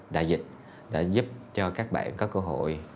đại dịch đã giúp cho các bạn có cơ hội